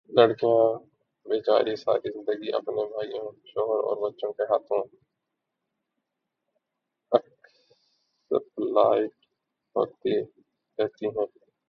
لڑکیاں بے چاری ساری زندگی اپنے بھائیوں، شوہر اور بچوں کے ہاتھوں ایکسپلائٹ ہوتی رہتی ہیں